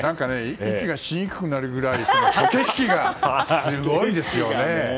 息がしにくくなるくらい駆け引きがすごいですよね。